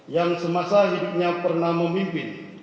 yang semasa hidupnya pernah memimpin